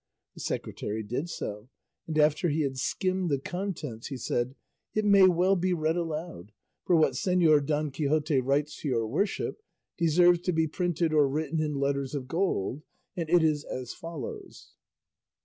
The secretary did so, and after he had skimmed the contents he said, "It may well be read aloud, for what Señor Don Quixote writes to your worship deserves to be printed or written in letters of gold, and it is as follows."